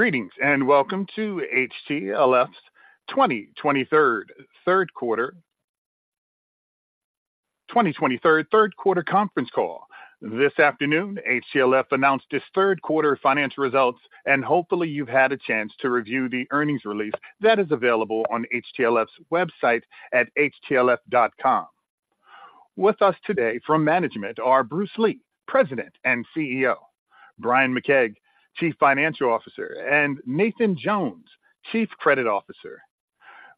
Greetings, and welcome to HTLF's 2023 third quarter conference call. This afternoon, HTLF announced its third quarter financial results, and hopefully, you've had a chance to review the earnings release that is available on HTLF's website at htlf.com. With us today from management are Bruce Lee, President and CEO; Bryan McKeag, Chief Financial Officer; and Nathan Jones, Chief Credit Officer.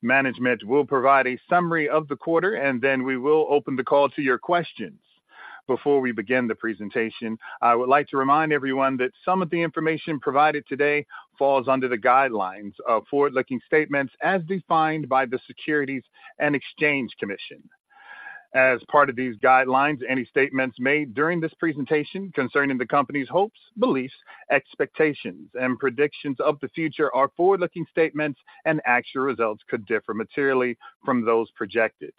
Management will provide a summary of the quarter, and then we will open the call to your questions. Before we begin the presentation, I would like to remind everyone that some of the information provided today falls under the guidelines of forward-looking statements as defined by the Securities and Exchange Commission. As part of these guidelines, any statements made during this presentation concerning the company's hopes, beliefs, expectations, and predictions of the future are forward-looking statements, and actual results could differ materially from those projected.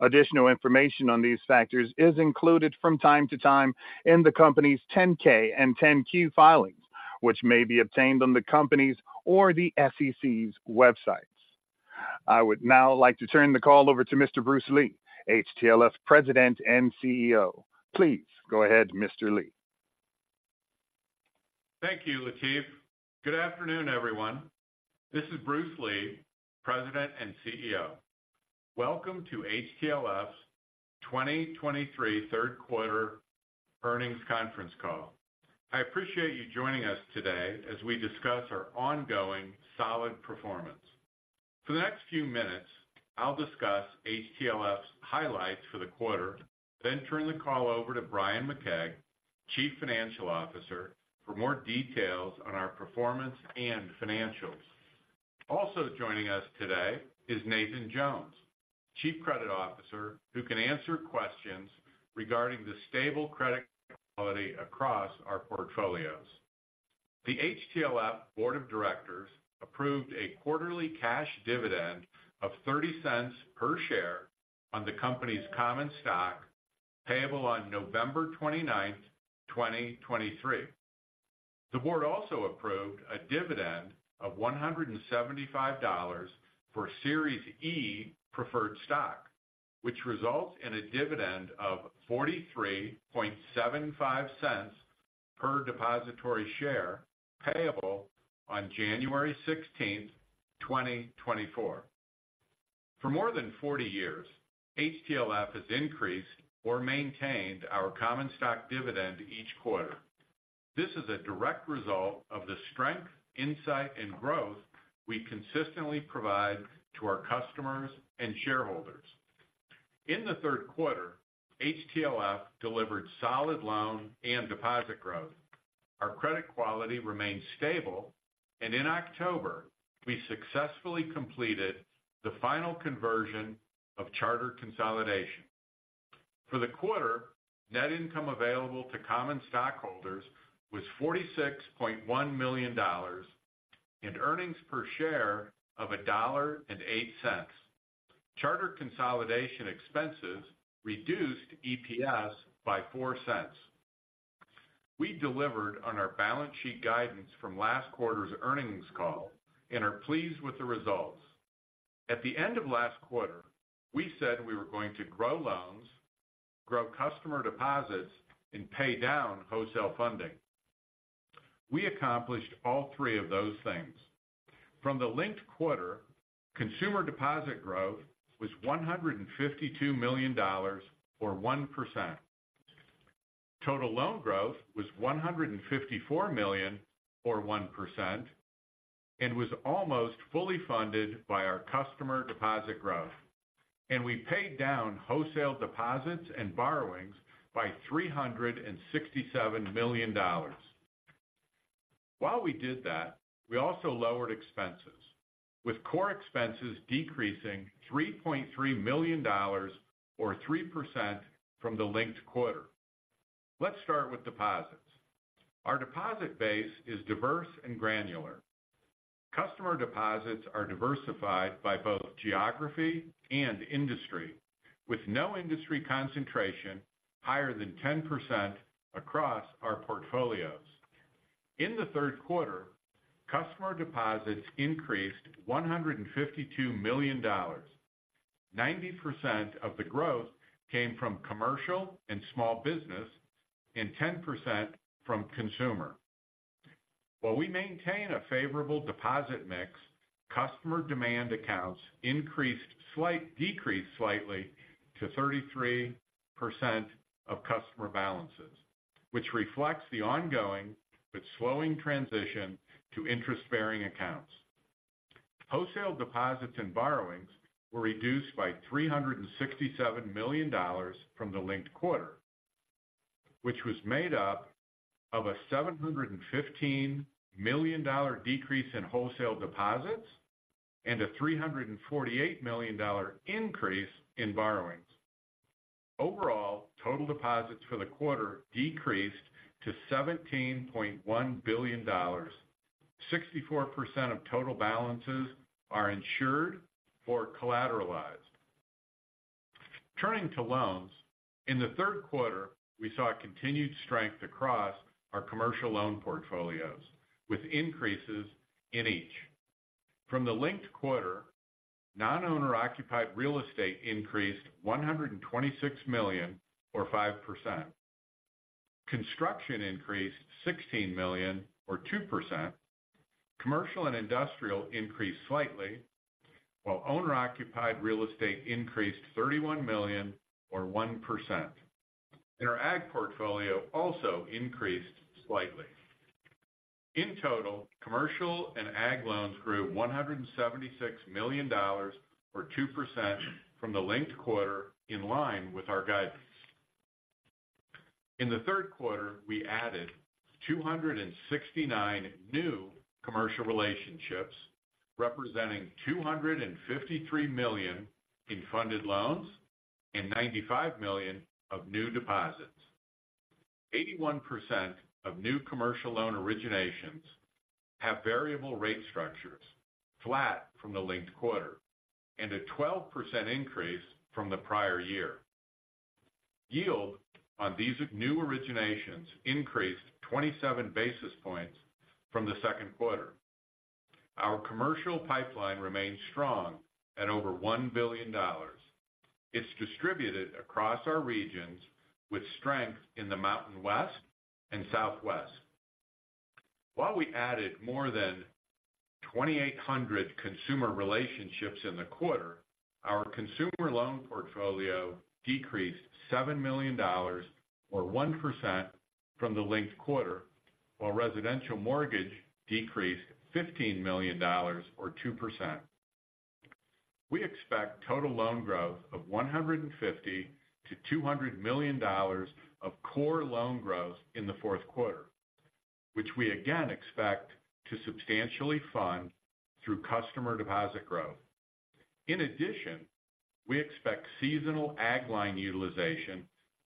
Additional information on these factors is included from time to time in the company's 10-K and 10-Q filings, which may be obtained on the company's or the SEC's websites. I would now like to turn the call over to Mr. Bruce Lee, HTLF's President and CEO. Please go ahead, Mr. Lee. Thank you, Lateef. Good afternoon, everyone. This is Bruce Lee, President and CEO. Welcome to HTLF's 2023 third quarter earnings conference call. I appreciate you joining us today as we discuss our ongoing solid performance. For the next few minutes, I'll discuss HTLF's highlights for the quarter, then turn the call over to Bryan McKeag, Chief Financial Officer, for more details on our performance and financials. Also joining us today is Nathan Jones, Chief Credit Officer, who can answer questions regarding the stable credit quality across our portfolios. The HTLF Board of Directors approved a quarterly cash dividend of $0.30 per share on the company's common stock, payable on November 29, 2023. The board also approved a dividend of $175 for Series E Preferred Stock, which results in a dividend of $0.4375 per depositary share, payable on January 16, 2024. For more than 40 years, HTLF has increased or maintained our common stock dividend each quarter. This is a direct result of the strength, insight, and growth we consistently provide to our customers and shareholders. In the third quarter, HTLF delivered solid loan and deposit growth. Our credit quality remained stable, and in October, we successfully completed the final conversion of charter consolidation. For the quarter, net income available to common stockholders was $46.1 million, and earnings per share of $1.08. Charter consolidation expenses reduced EPS by $0.04. We delivered on our balance sheet guidance from last quarter's earnings call and are pleased with the results. At the end of last quarter, we said we were going to grow loans, grow customer deposits, and pay down wholesale funding. We accomplished all three of those things. From the linked quarter, consumer deposit growth was $152 million, or 1%. Total loan growth was $154 million or 1%, and was almost fully funded by our customer deposit growth, and we paid down wholesale deposits and borrowings by $367 million. While we did that, we also lowered expenses, with core expenses decreasing $3.3 million or 3% from the linked quarter. Let's start with deposits. Our deposit base is diverse and granular. Customer deposits are diversified by both geography and industry, with no industry concentration higher than 10% across our portfolios. In the third quarter, customer deposits increased $152 million. 90% of the growth came from commercial and small business and 10% from consumer. While we maintain a favorable deposit mix, customer demand accounts decreased slightly to 33% of customer balances, which reflects the ongoing but slowing transition to interest-bearing accounts. Wholesale deposits and borrowings were reduced by $367 million from the linked quarter, which was made up of a $715 million decrease in wholesale deposits and a $348 million increase in borrowings. Overall, total deposits for the quarter decreased to $17.1 billion. 64% of total balances are insured or collateralized.... Turning to loans. In the third quarter, we saw a continued strength across our commercial loan portfolios, with increases in each. From the linked quarter, non-owner occupied real estate increased $126 million or 5%. Construction increased $16 million or 2%. Commercial and industrial increased slightly, while owner-occupied real estate increased $31 million or 1%. Our ag portfolio also increased slightly. In total, commercial and ag loans grew $176 million or 2% from the linked quarter, in line with our guidance. In the third quarter, we added 269 new commercial relationships, representing $253 million in funded loans and $95 million of new deposits. 81% of new commercial loan originations have variable rate structures, flat from the linked quarter, and a 12% increase from the prior year. Yield on these new originations increased 27 basis points from the second quarter. Our commercial pipeline remains strong at over $1 billion. It's distributed across our regions with strength in the Mountain West and Southwest. While we added more than 2,800 consumer relationships in the quarter, our consumer loan portfolio decreased $7 million or 1% from the linked quarter, while residential mortgage decreased $15 million or 2%. We expect total loan growth of $150 million-$200 million of core loan growth in the fourth quarter, which we again expect to substantially fund through customer deposit growth. In addition, we expect seasonal ag line utilization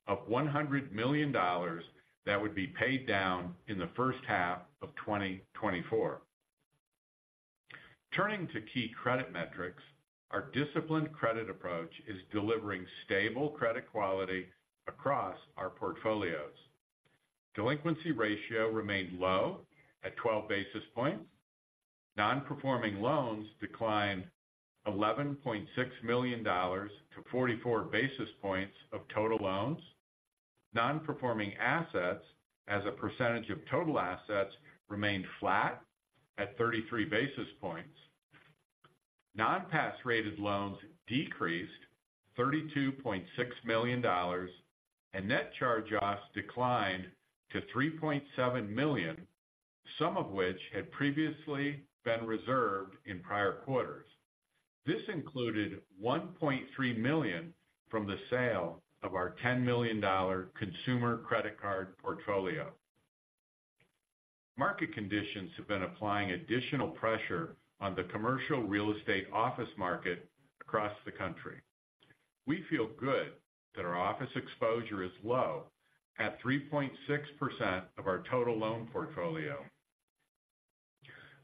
of $100 million that would be paid down in the first half of 2024. Turning to key credit metrics. Our disciplined credit approach is delivering stable credit quality across our portfolios. Delinquency ratio remained low at 12 basis points. Non-performing loans declined $11.6 million to 44 basis points of total loans. Non-performing assets, as a percentage of total assets, remained flat at 33 basis points. Non-pass rated loans decreased $32.6 million, and net charge-offs declined to $3.7 million, some of which had previously been reserved in prior quarters. This included $1.3 million from the sale of our $10 million consumer credit card portfolio. Market conditions have been applying additional pressure on the commercial real estate office market across the country. We feel good that our office exposure is low at 3.6% of our total loan portfolio.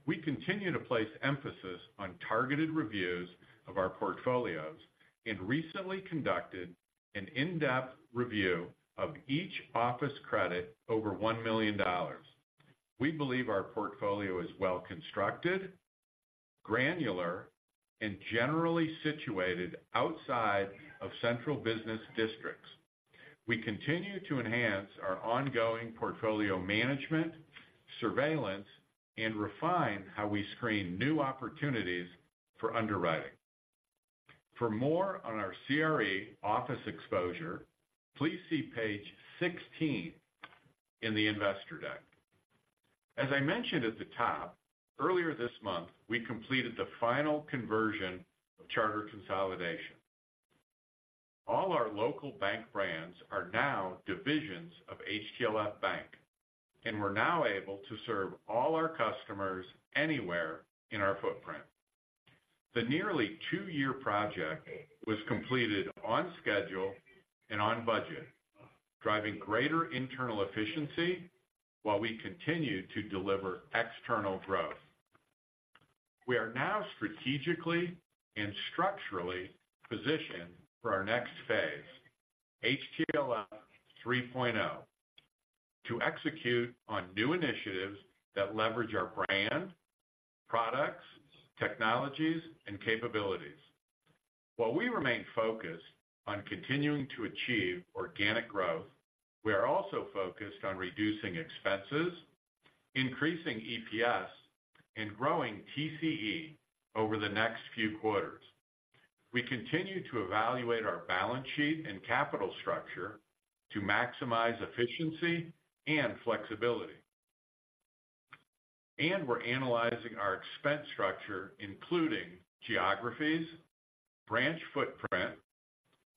We continue to place emphasis on targeted reviews of our portfolios and recently conducted an in-depth review of each office credit over $1 million. We believe our portfolio is well-constructed, granular, and generally situated outside of central business districts. We continue to enhance our ongoing portfolio management, surveillance, and refine how we screen new opportunities for underwriting. For more on our CRE office exposure, please see page 16 in the investor deck. As I mentioned at the top, earlier this month, we completed the final conversion of charter consolidation. All our local bank brands are now divisions of HTLF Bank, and we're now able to serve all our customers anywhere in our footprint. The nearly two-year project was completed on schedule and on budget, driving greater internal efficiency while we continue to deliver external growth. We are now strategically and structurally positioned for our next phase, HTLF 3.0, to execute on new initiatives that leverage our brand, products, technologies, and capabilities. While we remain focused on continuing to achieve organic growth, we are also focused on reducing expenses, increasing EPS, and growing TCE over the next few quarters. We continue to evaluate our balance sheet and capital structure to maximize efficiency and flexibility. We're analyzing our expense structure, including geographies, branch footprint,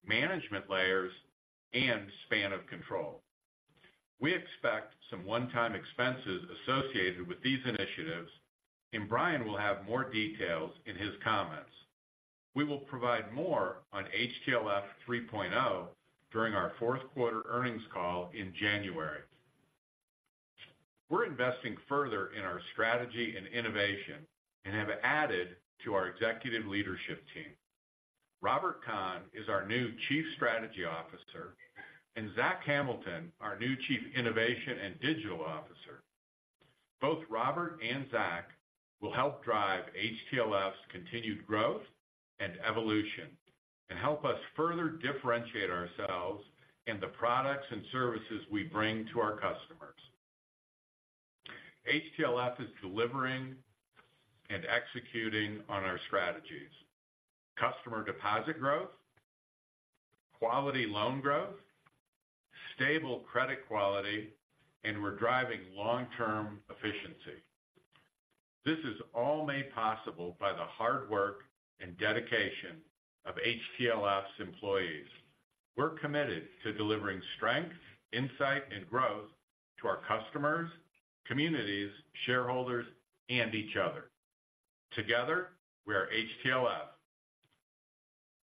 management layers, and span of control. We expect some one-time expenses associated with these initiatives, and Bryan will have more details in his comments. We will provide more on HTLF 3.0 during our fourth quarter earnings call in January.... We're investing further in our strategy and innovation, and have added to our executive leadership team. Robert Kahn is our new Chief Strategy Officer, and Zach Hamilton, our new Chief Innovation and Digital Officer. Both Robert and Zach will help drive HTLF's continued growth and evolution, and help us further differentiate ourselves in the products and services we bring to our customers. HTLF is delivering and executing on our strategies. Customer deposit growth, quality loan growth, stable credit quality, and we're driving long-term efficiency. This is all made possible by the hard work and dedication of HTLF's employees. We're committed to delivering strength, insight, and growth to our customers, communities, shareholders, and each other. Together, we are HTLF.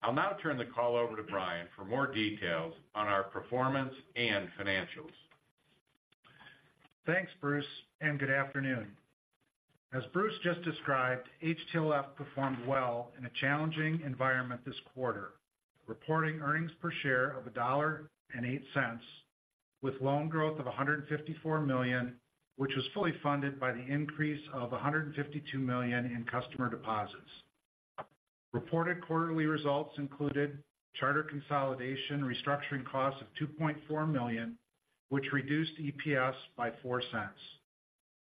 I'll now turn the call over to Bryan for more details on our performance and financials. Thanks, Bruce, and good afternoon. As Bruce just described, HTLF performed well in a challenging environment this quarter, reporting earnings per share of $1.08, with loan growth of $154 million, which was fully funded by the increase of $152 million in customer deposits. Reported quarterly results included charter consolidation, restructuring costs of $2.4 million, which reduced EPS by $0.04.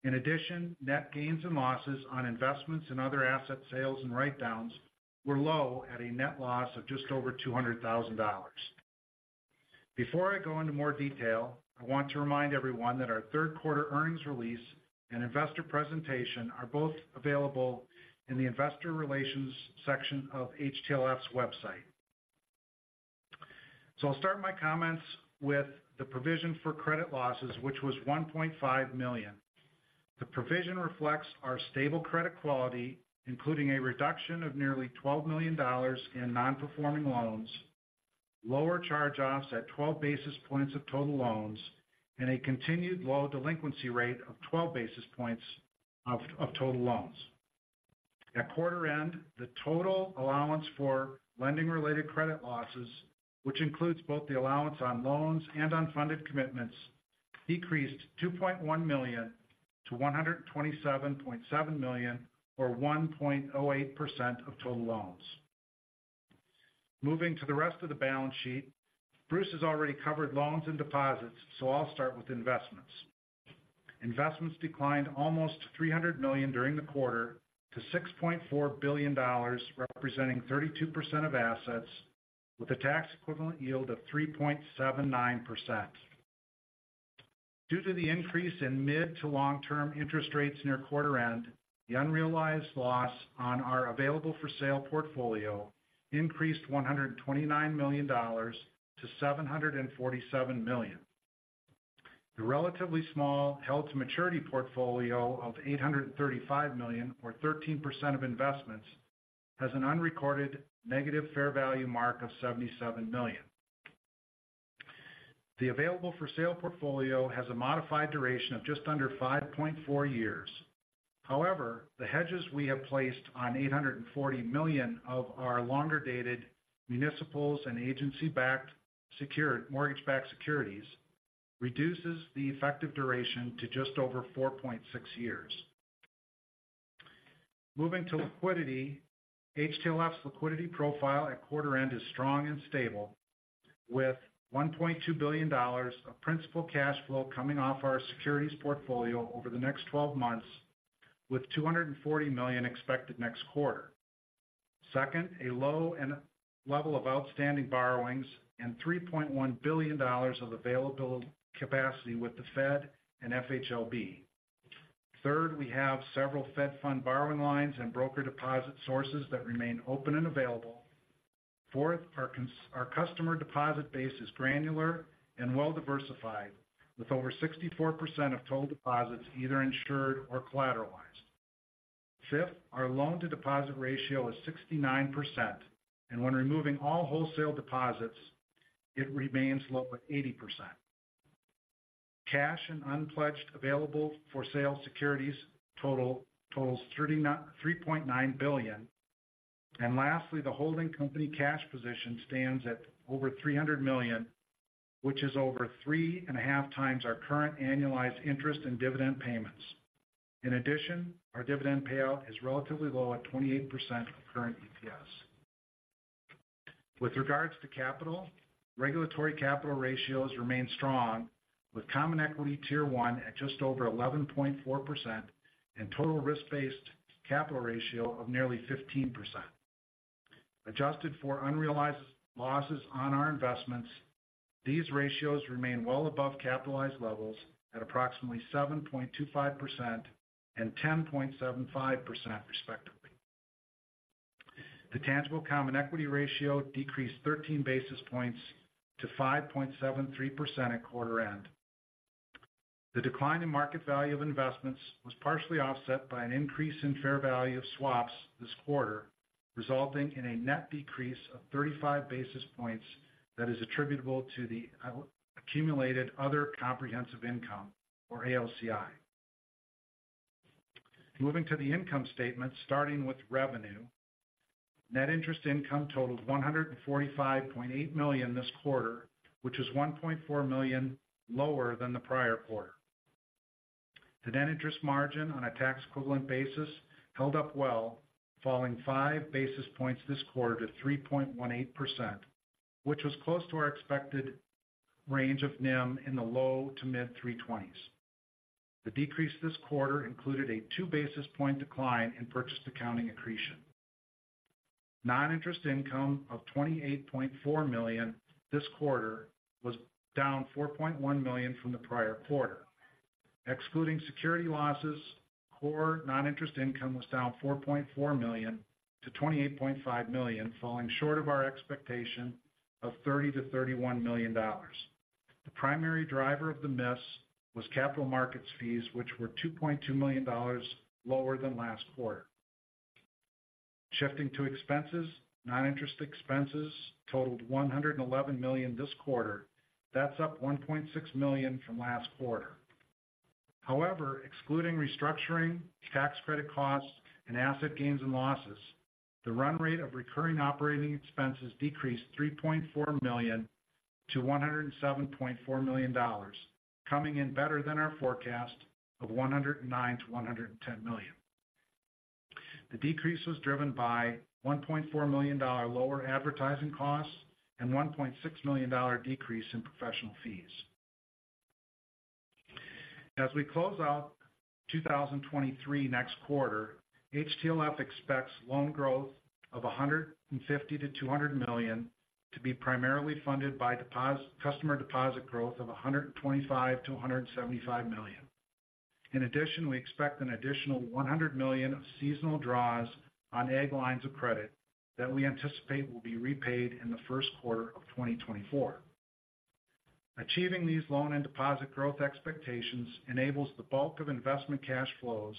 In addition, net gains and losses on investments and other asset sales and write-downs were low at a net loss of just over $200,000. Before I go into more detail, I want to remind everyone that our third quarter earnings release and investor presentation are both available in the investor relations section of HTLF's website. So I'll start my comments with the provision for credit losses, which was $1.5 million. The provision reflects our stable credit quality, including a reduction of nearly $12 million in non-performing loans, lower charge-offs at 12 basis points of total loans, and a continued low delinquency rate of 12 basis points of total loans. At quarter end, the total allowance for lending-related credit losses, which includes both the allowance on loans and unfunded commitments, decreased $2.1 million to $127.7 million, or 1.08% of total loans. Moving to the rest of the balance sheet, Bruce has already covered loans and deposits, so I'll start with investments. Investments declined almost $300 million during the quarter to $6.4 billion, representing 32% of assets, with a tax equivalent yield of 3.79%. Due to the increase in mid- to long-term interest rates near quarter end, the unrealized loss on our available-for-sale portfolio increased $129 million to $747 million. The relatively small held-to-maturity portfolio of $835 million, or 13% of investments, has an unrecorded negative fair value mark of $77 million. The available-for-sale portfolio has a modified duration of just under 5.4 years. However, the hedges we have placed on $840 million of our longer-dated municipals and agency-backed secured mortgage-backed securities, reduces the effective duration to just over 4.6 years. Moving to liquidity, HTLF's liquidity profile at quarter end is strong and stable, with $1.2 billion of principal cash flow coming off our securities portfolio over the next twelve months, with $240 million expected next quarter. Second, a low level of outstanding borrowings and $3.1 billion of available capacity with the Fed and FHLB. Third, we have several Fed Fund borrowing lines and broker deposit sources that remain open and available. Fourth, our customer deposit base is granular and well-diversified, with over 64% of total deposits either insured or collateralized. Fifth, our loan-to-deposit ratio is 69%, and when removing all wholesale deposits, it remains low at 80%. Cash and unpledged available-for-sale securities totals $3.9 billion. And lastly, the holding company cash position stands at over $300 million, which is over 3.5 times our current annualized interest and dividend payments. In addition, our dividend payout is relatively low at 28% of current EPS. With regards to capital, regulatory capital ratios remain strong, with Common Equity Tier 1 at just over 11.4% and total risk-based capital ratio of nearly 15%. Adjusted for unrealized losses on our investments, these ratios remain well above capitalized levels at approximately 7.25% and 10.75% respectively. The tangible common equity ratio decreased 13 basis points to 5.73% at quarter end. The decline in market value of investments was partially offset by an increase in fair value of swaps this quarter.... resulting in a net decrease of 35 basis points that is attributable to the accumulated other comprehensive income, or AOCI. Moving to the income statement, starting with revenue. Net interest income totaled $145.8 million this quarter, which is $1.4 million lower than the prior quarter. The net interest margin on a tax equivalent basis held up well, falling 5 basis points this quarter to 3.18%, which was close to our expected range of NIM in the low- to mid-3.20s%. The decrease this quarter included a 2 basis point decline in purchase accounting accretion. Non-interest income of $28.4 million this quarter was down $4.1 million from the prior quarter. Excluding security losses, core non-interest income was down $4.4 million to $28.5 million, falling short of our expectation of $30 million-$31 million. The primary driver of the miss was capital markets fees, which were $2.2 million lower than last quarter. Shifting to expenses. Non-interest expenses totaled $111 million this quarter. That's up $1.6 million from last quarter. However, excluding restructuring, tax credit costs, and asset gains and losses, the run rate of recurring operating expenses decreased $3.4 million to $107.4 million, coming in better than our forecast of $109 million-$110 million. The decrease was driven by $1.4 million lower advertising costs and $1.6 million decrease in professional fees. As we close out 2023 next quarter, HTLF expects loan growth of $150 million-$200 million to be primarily funded by customer deposit growth of $125 million-$175 million. In addition, we expect an additional $100 million of seasonal draws on ag lines of credit that we anticipate will be repaid in the first quarter of 2024. Achieving these loan and deposit growth expectations enables the bulk of investment cash flows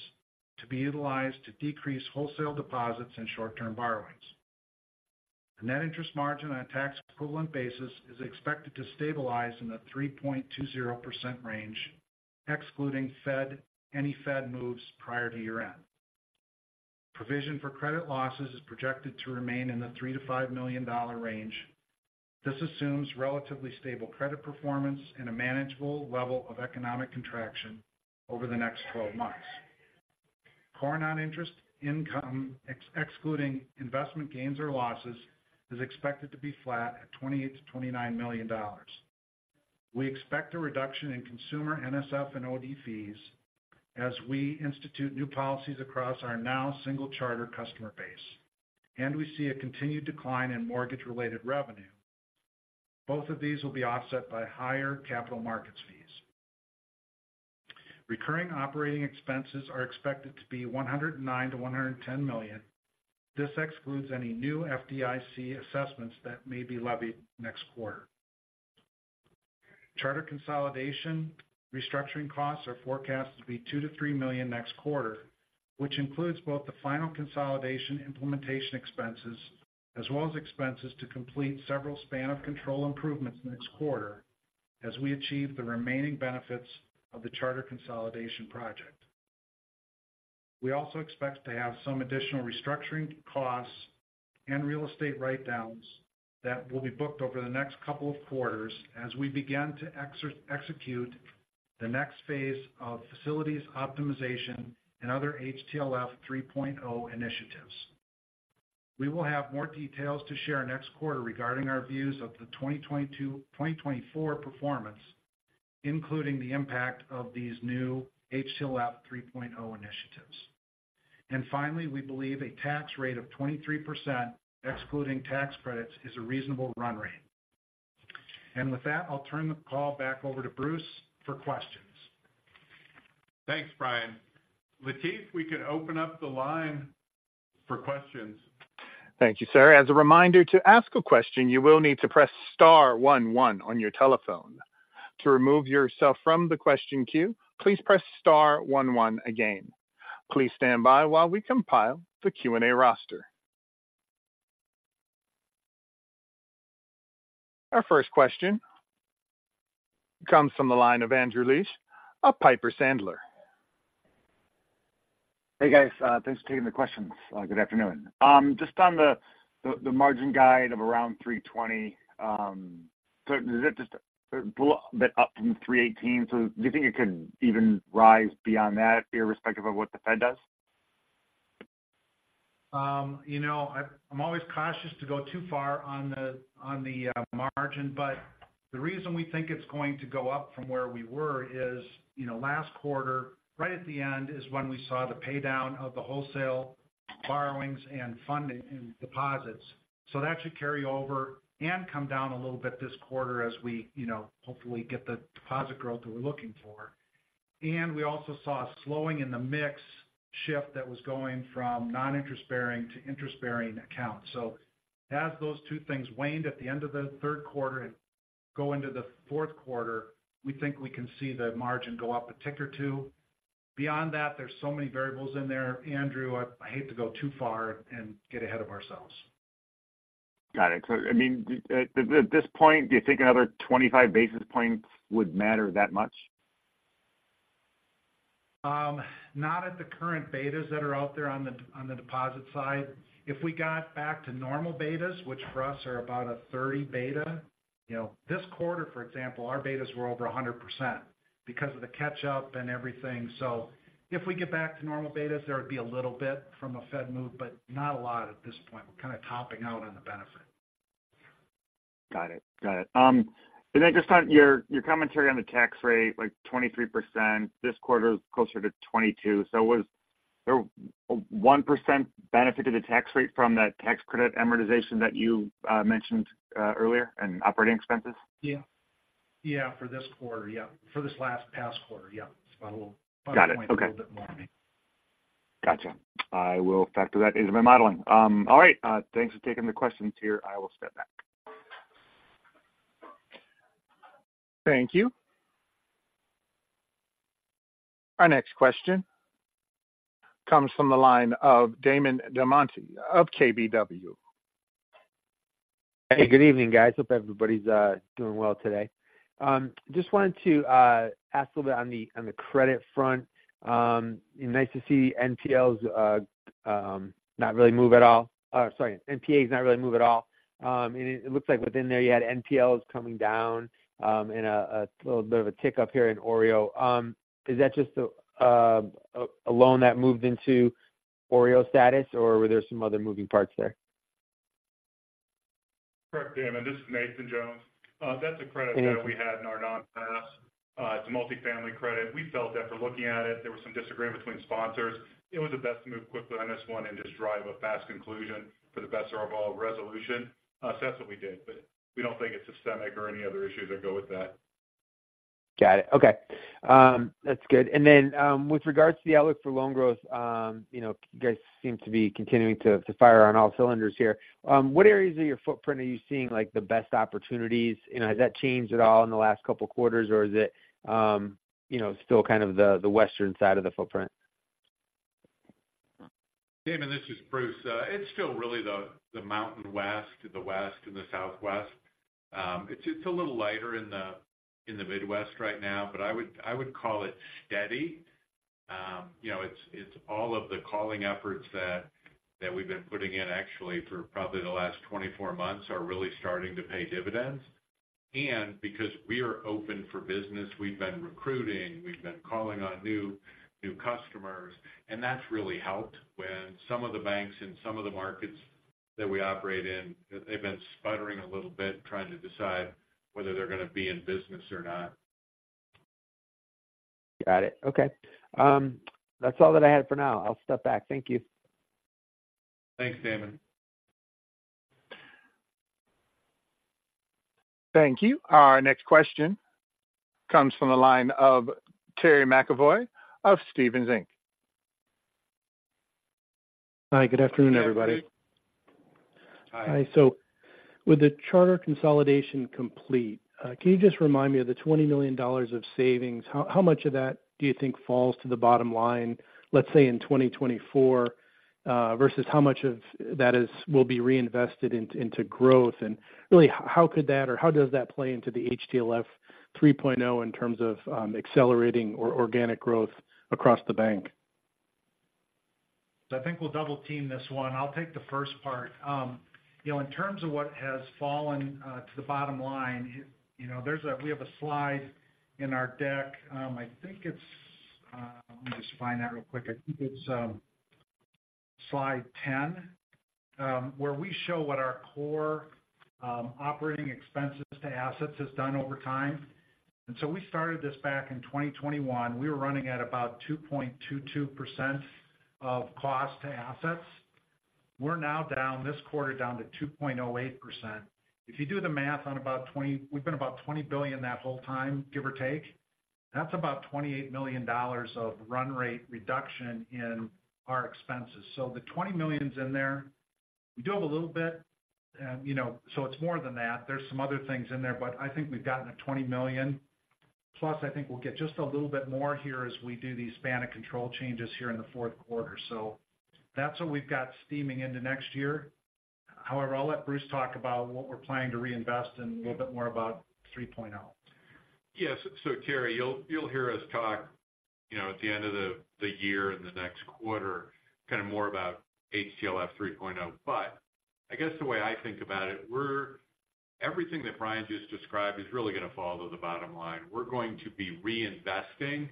to be utilized to decrease wholesale deposits and short-term borrowings. The net interest margin on a tax equivalent basis is expected to stabilize in the 3.20% range, excluding any Fed moves prior to year-end. Provision for credit losses is projected to remain in the $3 million-$5 million range. This assumes relatively stable credit performance and a manageable level of economic contraction over the next twelve months. Core non-interest income, excluding investment gains or losses, is expected to be flat at $28 million-$29 million. We expect a reduction in consumer NSF and OD fees as we institute new policies across our now single charter customer base, and we see a continued decline in mortgage-related revenue. Both of these will be offset by higher capital markets fees. Recurring operating expenses are expected to be $109 million-$110 million. This excludes any new FDIC assessments that may be levied next quarter. Charter consolidation restructuring costs are forecast to be $2 million-$3 million next quarter, which includes both the final consolidation implementation expenses, as well as expenses to complete several span of control improvements next quarter as we achieve the remaining benefits of the charter consolidation project. We also expect to have some additional restructuring costs and real estate write-downs that will be booked over the next couple of quarters as we begin to execute the next phase of facilities optimization and other HTLF 3.0 initiatives. We will have more details to share next quarter regarding our views of the 2022-2024 performance, including the impact of these new HTLF 3.0 initiatives. Finally, we believe a tax rate of 23%, excluding tax credits, is a reasonable run rate. With that, I'll turn the call back over to Bruce for questions. Thanks, Bryan. Lateef, we can open up the line for questions. Thank you, sir. As a reminder, to ask a question, you will need to press star one, one on your telephone. To remove yourself from the question queue, please press star one, one again. Please stand by while we compile the Q&A roster. Our first question comes from the line of Andrew Liesch of Piper Sandler. Hey, guys, thanks for taking the questions. Good afternoon. Just on the margin guide of around 3.20, so is it just a bit up from 3.18? So do you think it could even rise beyond that, irrespective of what the Fed does? You know, I, I'm always cautious to go too far on the margin, but the reason we think it's going to go up from where we were is, you know, last quarter, right at the end, is when we saw the paydown of the wholesale borrowings and funding and deposits. So that should carry over and come down a little bit this quarter as we, you know, hopefully get the deposit growth that we're looking for. And we also saw a slowing in the mix shift that was going from non-interest bearing to interest-bearing accounts. So as those two things waned at the end of the third quarter and go into the fourth quarter, we think we can see the margin go up a ticker or two. Beyond that, there's so many variables in there, Andrew. I hate to go too far and get ahead of ourselves. Got it. So, I mean, at this point, do you think another 25 basis points would matter that much? Not at the current betas that are out there on the, on the deposit side. If we got back to normal betas, which for us are about a 30 beta, you know, this quarter, for example, our betas were over 100% because of the catch-up and everything. So if we get back to normal betas, there would be a little bit from a Fed move, but not a lot at this point. We're kind of topping out on the benefit. Got it. Got it. And then just on your, your commentary on the tax rate, like 23%, this quarter is closer to 22%. So was there a 1% benefit to the tax rate from that tax credit amortization that you mentioned earlier in operating expenses? Yeah. Yeah, for this quarter. Yeah, for this last past quarter. Yeah. It's about a little- Got it. A little bit more. Gotcha. I will factor that into my modeling. All right, thanks for taking the questions here. I will step back. Thank you. Our next question comes from the line of Damon DelMonte of KBW. Hey, good evening, guys. Hope everybody's doing well today. Just wanted to ask a little bit on the credit front. Nice to see NPLs not really move at all. Sorry, NPAs not really move at all. And it looks like within there, you had NPLs coming down and a little bit of a tick up here in OREO. Is that just a loan that moved into OREO status, or were there some other moving parts there? Correct, Damon, this is Nathan Jones. That's a credit- Okay. that we had in our non-pass. It's a multifamily credit. We felt after looking at it, there was some disagreement between sponsors. It was the best to move quickly on this one and just drive a fast conclusion for the best of our overall resolution. So that's what we did, but we don't think it's systemic or any other issues that go with that. Got it. Okay. That's good. And then, with regards to the outlook for loan growth, you know, you guys seem to be continuing to, to fire on all cylinders here. What areas of your footprint are you seeing, like, the best opportunities? You know, has that changed at all in the last couple of quarters, or is it, you know, still kind of the, the western side of the footprint? Damon, this is Bruce. It's still really the Mountain West, the West and the Southwest. It's a little lighter in the Midwest right now, but I would call it steady. You know, it's all of the calling efforts that we've been putting in actually for probably the last 24 months are really starting to pay dividends. And because we are open for business, we've been recruiting, we've been calling on new customers, and that's really helped when some of the banks in some of the markets that we operate in, they've been sputtering a little bit, trying to decide whether they're going to be in business or not. Got it. Okay. That's all that I had for now. I'll step back. Thank you. Thanks, Damon. Thank you. Our next question comes from the line of Terry McEvoy of Stephens Inc. Hi, good afternoon, everybody. Hi. Hi. So with the charter consolidation complete, can you just remind me of the $20 million of savings? How, how much of that do you think falls to the bottom line, let's say, in 2024, versus how much of that is-- will be reinvested into, into growth? And really, how could that or how does that play into the HTLF 3.0 in terms of, accelerating or organic growth across the bank? I think we'll double team this one. I'll take the first part. You know, in terms of what has fallen to the bottom line, you know, there's a we have a slide in our deck. I think it's, let me just find that real quick. I think it's slide 10, where we show what our core operating expenses to assets has done over time. And so we started this back in 2021. We were running at about 2.22% of cost to assets. We're now down, this quarter, down to 2.08%. If you do the math on about $20 billion—we've been about $20 billion that whole time, give or take. That's about $28 million of run rate reduction in our expenses. So the $20 million's in there. We do have a little bit, you know, so it's more than that. There's some other things in there, but I think we've gotten to $20 million. Plus, I think we'll get just a little bit more here as we do these span of control changes here in the fourth quarter. So that's what we've got steaming into next year. However, I'll let Bruce talk about what we're planning to reinvest and a little bit more about 3.0. Yes. So Terry, you'll hear us talk, you know, at the end of the year and the next quarter, kind of more about HTLF 3.0. But I guess the way I think about it, we're—everything that Bryan just described is really going to fall to the bottom line. We're going to be reinvesting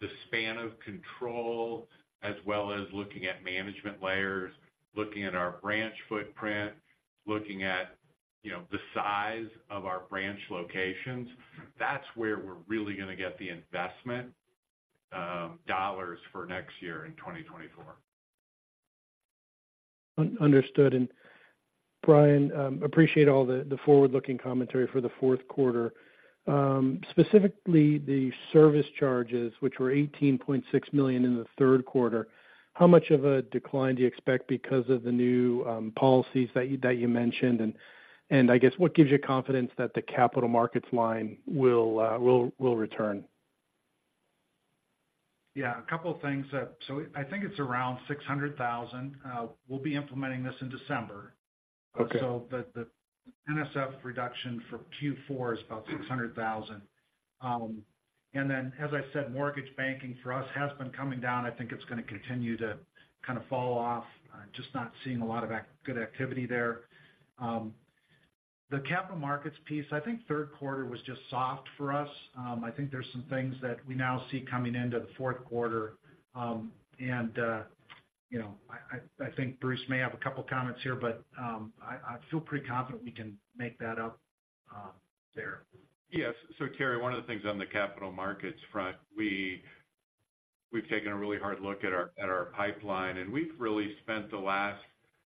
the span of control, as well as looking at management layers, looking at our branch footprint, looking at, you know, the size of our branch locations. That's where we're really going to get the investment dollars for next year in 2024. Understood. And Bryan, appreciate all the forward-looking commentary for the fourth quarter. Specifically, the service charges, which were $18.6 million in the third quarter, how much of a decline do you expect because of the new policies that you mentioned? And I guess what gives you confidence that the capital markets line will return?... Yeah, a couple of things that—so I think it's around $600,000. We'll be implementing this in December. Okay. So the NSF reduction for Q4 is about $600,000. And then, as I said, mortgage banking for us has been coming down. I think it's going to continue to kind of fall off. Just not seeing a lot of good activity there. The capital markets piece, I think third quarter was just soft for us. I think there's some things that we now see coming into the fourth quarter. And, you know, I think Bruce may have a couple comments here, but I feel pretty confident we can make that up there. Yes. So, Terry, one of the things on the capital markets front, we've taken a really hard look at our pipeline, and we've really spent the last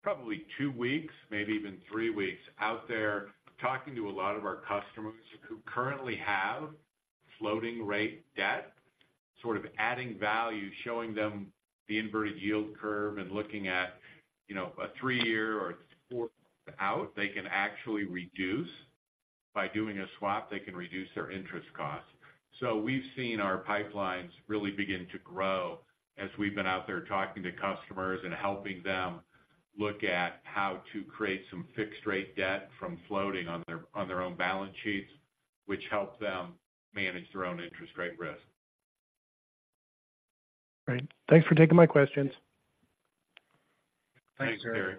probably two weeks, maybe even three weeks, out there talking to a lot of our customers who currently have floating rate debt. Sort of adding value, showing them the inverted yield curve and looking at, you know, a three-year or four out, they can actually reduce. By doing a swap, they can reduce their interest costs. So we've seen our pipelines really begin to grow as we've been out there talking to customers and helping them look at how to create some fixed rate debt from floating on their own balance sheets, which help them manage their own interest rate risk. Great. Thanks for taking my questions. Thanks, Terry. Thanks, Terry.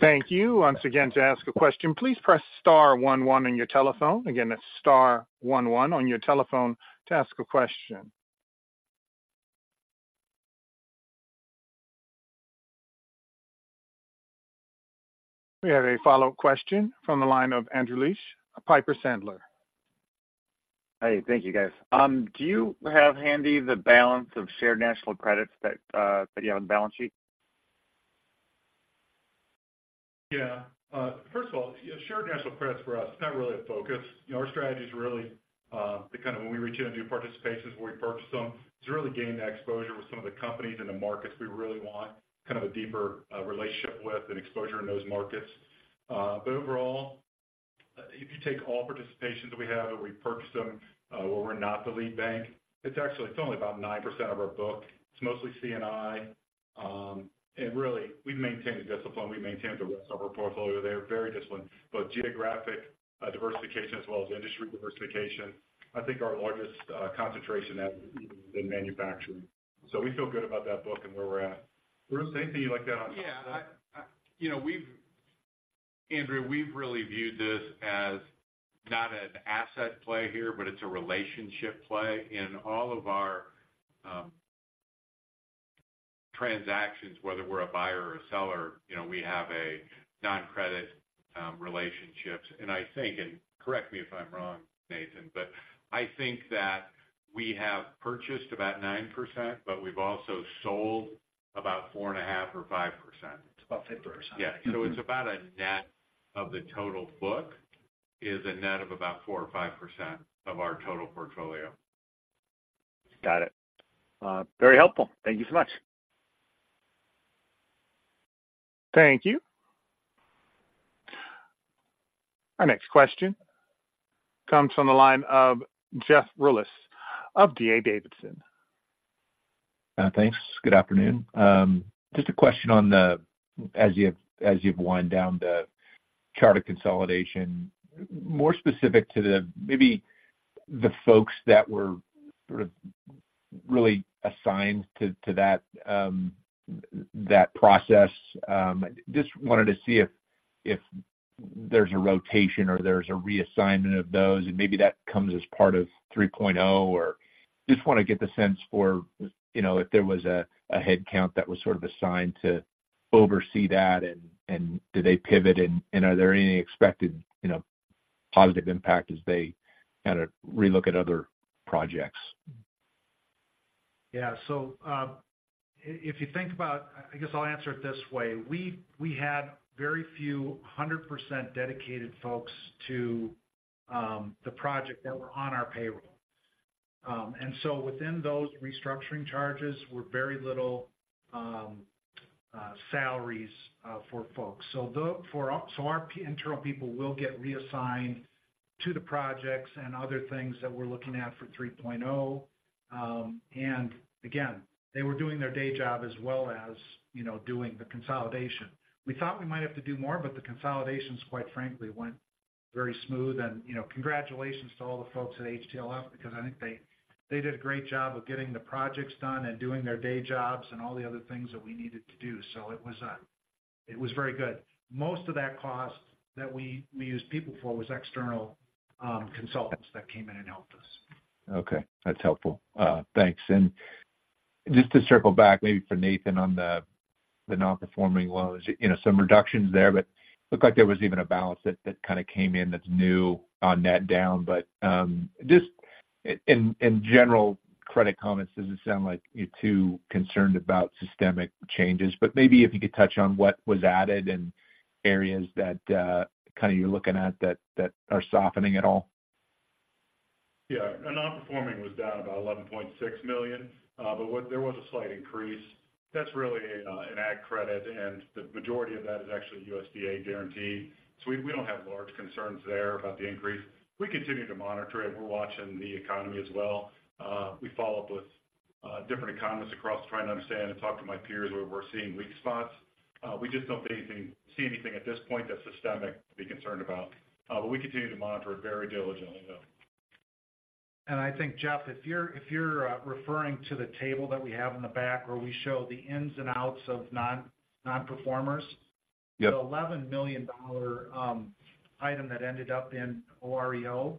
Thank you. Once again, to ask a question, please press star one one on your telephone. Again, that's star one one on your telephone to ask a question. We have a follow-up question from the line of Andrew Liesch, Piper Sandler. Hi, thank you, guys. Do you have handy the balance of Shared National Credits that that you have on the balance sheet? Yeah. First of all, yeah, Shared National Credits for us, it's not really a focus. You know, our strategy is really to kind of when we reach in and do participations, where we purchase them, it's really gain that exposure with some of the companies in the markets we really want, kind of a deeper relationship with and exposure in those markets. But overall, if you take all participations that we have, and we purchased them, where we're not the lead bank, it's actually, it's only about 9% of our book. It's mostly C&I. And really, we've maintained the discipline, we've maintained the rest of our portfolio. They're very disciplined, both geographic diversification as well as industry diversification. I think our largest concentration has been in manufacturing. So we feel good about that book and where we're at. Bruce, anything you'd like to add on that? Yeah. I—you know, we've Andrew, we've really viewed this as not an asset play here, but it's a relationship play. In all of our transactions, whether we're a buyer or a seller, you know, we have a non-credit relationships. And I think, and correct me if I'm wrong, Nathan, but I think that we have purchased about 9%, but we've also sold about 4.5% or 5%. It's about 5%. Yeah. So it's about a net of the total book, is a net of about 4%-5% of our total portfolio. Got it. Very helpful. Thank you so much. Thank you. Our next question comes from the line of Jeff Rulis of D.A. Davidson. Thanks. Good afternoon. Just a question on the—as you've wind down the charter consolidation, more specific to the, maybe the folks that were sort of really assigned to that process. Just wanted to see if there's a rotation or there's a reassignment of those, and maybe that comes as part of 3.0, or just want to get the sense for, you know, if there was a headcount that was sort of assigned to oversee that, and do they pivot, and are there any expected, you know, positive impact as they kind of relook at other projects? Yeah. So, if you think about-- I guess I'll answer it this way: We had very few 100% dedicated folks to the project that were on our payroll. And so within those restructuring charges were very little salaries for folks. So for our internal people will get reassigned to the projects and other things that we're looking at for 3.0. And again, they were doing their day job as well as, you know, doing the consolidation. We thought we might have to do more, but the consolidations, quite frankly, went very smooth. And, you know, congratulations to all the folks at HTLF, because I think they did a great job of getting the projects done and doing their day jobs and all the other things that we needed to do. So it was, it was very good. Most of that cost that we used people for was external consultants that came in and helped us. Okay. That's helpful. Thanks. And just to circle back, maybe for Nathan on the non-performing loans, you know, some reductions there, but looked like there was even a balance that kind of came in that's new on net down. But just in general, credit comments, does it sound like you're too concerned about systemic changes? But maybe if you could touch on what was added and areas that kind of you're looking at that are softening at all. Yeah. The non-performing was down about $11.6 million, but there was a slight increase. That's really an ADC, and the majority of that is actually USDA guaranteed, so we don't have large concerns there about the increase. We continue to monitor it. We're watching the economy as well. We follow up with different economists across trying to understand and talk to my peers where we're seeing weak spots. We just don't see anything at this point that's systemic to be concerned about. But we continue to monitor it very diligently, though. I think, Jeff, if you're referring to the table that we have in the back where we show the ins and outs of nonperformers. Yep. The $11 million item that ended up in OREO,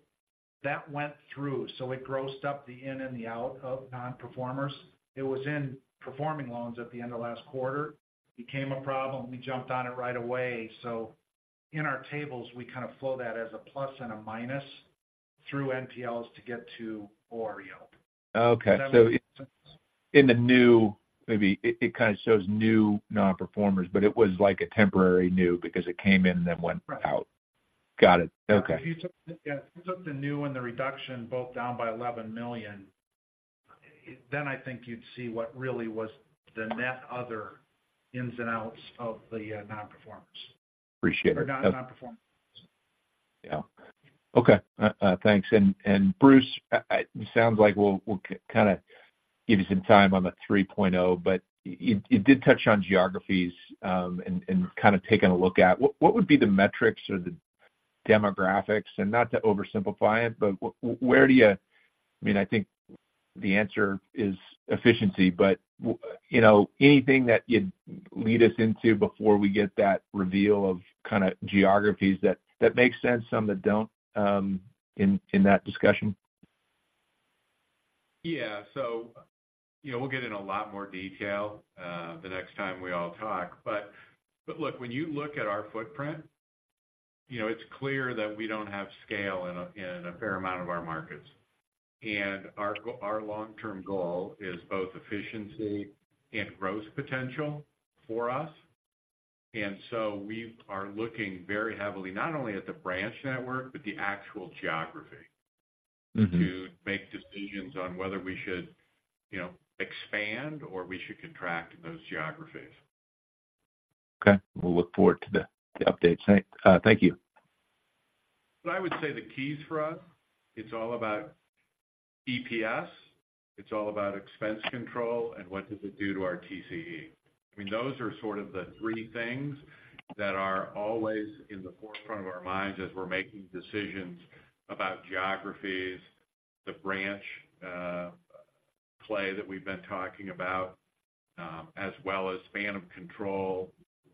that went through. So it grossed up the in and the out of nonperformers. It was in performing loans at the end of last quarter, became a problem, and we jumped on it right away. So in our tables, we kind of flow that as a plus and a minus through NPLs to get to OREO. Okay. So in the new, maybe it kind of shows new nonperformers, but it was like a temporary new because it came in then went out. Right. Got it. Okay. If you took, yeah, if you took the new and the reduction both down by $11 million, then I think you'd see what really was the net other ins and outs of the nonperformers. Appreciate it. Or nonperformers. Yeah. Okay. Thanks. And, Bruce, it sounds like we'll kind of give you some time on the 3.0, but you did touch on geographies, and kind of taking a look at. What would be the metrics or the demographics? And not to oversimplify it, but where do you... I mean, I think the answer is efficiency, but you know, anything that you'd lead us into before we get that reveal of kind of geographies that makes sense, some that don't, in that discussion? Yeah. So, you know, we'll get in a lot more detail the next time we all talk. But look, when you look at our footprint, you know, it's clear that we don't have scale in a fair amount of our markets. And our long-term goal is both efficiency and growth potential for us. And so we are looking very heavily, not only at the branch network, but the actual geography- Mm-hmm... to make decisions on whether we should, you know, expand or we should contract in those geographies. Okay. We'll look forward to the updates. Thank you. But I would say the keys for us, it's all about EPS, it's all about expense control, and what does it do to our TCE? I mean, those are sort of the three things that are always in the forefront of our minds as we're making decisions about geographies, the branch play that we've been talking about, as well as span of control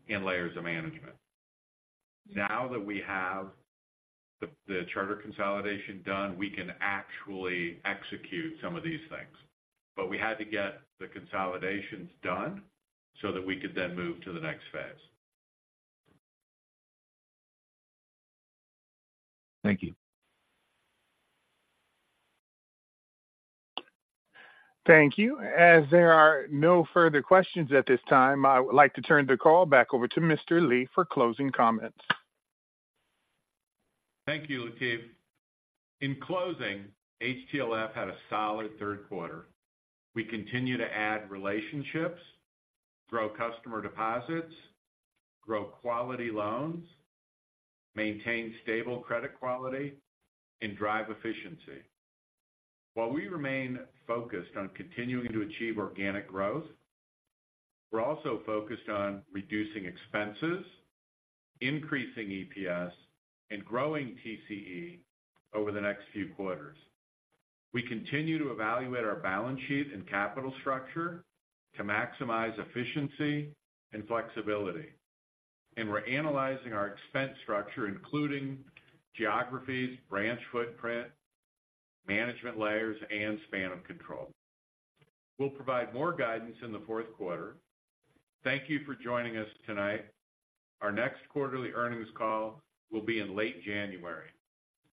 and layers of management. Now that we have the charter consolidation done, we can actually execute some of these things. But we had to get the consolidations done so that we could then move to the next phase. Thank you. Thank you. As there are no further questions at this time, I would like to turn the call back over to Mr. Lee for closing comments. Thank you, Lateef. In closing, HTLF had a solid third quarter. We continue to add relationships, grow customer deposits, grow quality loans, maintain stable credit quality, and drive efficiency. While we remain focused on continuing to achieve organic growth, we're also focused on reducing expenses, increasing EPS, and growing TCE over the next few quarters. We continue to evaluate our balance sheet and capital structure to maximize efficiency and flexibility, and we're analyzing our expense structure, including geographies, branch footprint, management layers, and span of control. We'll provide more guidance in the fourth quarter. Thank you for joining us tonight. Our next quarterly earnings call will be in late January.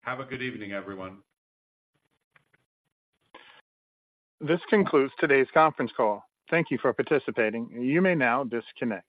Have a good evening, everyone. This concludes today's conference call. Thank you for participating. You may now disconnect.